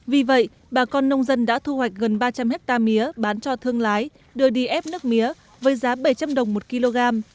vì vậy bà con nông dân đã thu hoạch gần ba trăm linh hectare mía bán cho thương lái đưa đi ép nước mía với giá bảy trăm linh đồng một kg